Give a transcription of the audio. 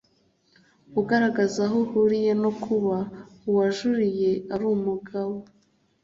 ugaragaza aho uhuriye no kuba uwajuriye ari umugabo